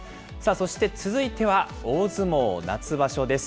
そして続いては大相撲夏場所です。